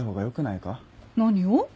何を？